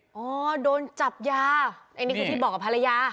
พอโดนจับยาอันนี้คือที่บอกกับภรรยา